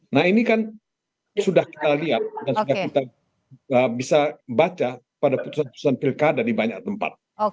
nah ini kan sudah kita lihat dan sudah kita bisa baca pada putusan putusan pilkada di banyak tempat